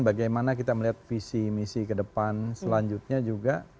bagaimana kita melihat visi misi ke depan selanjutnya juga